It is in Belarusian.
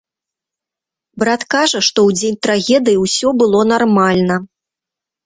Брат кажа, што ў дзень трагедыі ўсё было нармальна.